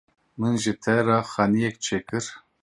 Min ji te re xaniyek çêkir.